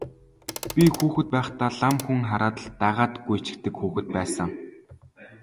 Би хүүхэд байхдаа лам хүн хараад л дагаад гүйчихдэг хүүхэд байсан.